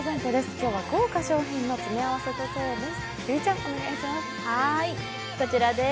今日は豪華賞品の詰め合わせです。